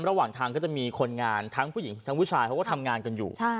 ระหว่างทางก็จะมีคนงานทั้งผู้หญิงทั้งผู้ชายเขาก็ทำงานกันอยู่